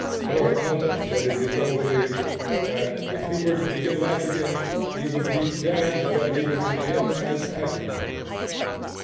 Lord Eldon said in his old age that "if he were to begin life again, he would be damned but he would begin as agitator."